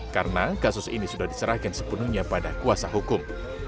karena kasus ini sudah diserahkan sepenuhnya pada kuasa hukum